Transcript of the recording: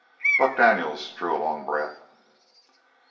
Buck Daniels drew a long breath.